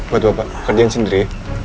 bantu pak pak kerjaan sendiri